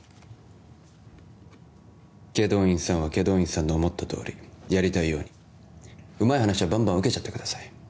祁答院さんは祁答院さんの思ったとおりやりたいようにうまい話はバンバン受けちゃってください